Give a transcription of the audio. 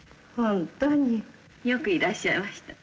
よくいらっしゃいました。